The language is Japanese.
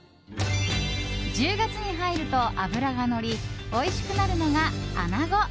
１０月に入ると、脂がのりおいしくなるのが穴子。